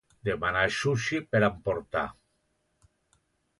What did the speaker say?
Demanar sushi per emportar.